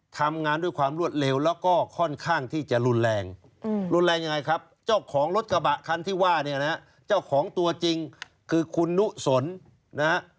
ทำงานด้วยความรวดเร็วแล้วก็ค่อนข้างที่จะรุนแรงรุนแรงยังไงครับเจ้าของรถกระบะคันที่ว่าเนี่ยนะเจ้าของตัวจริงคือคุณนุสนนะฮะ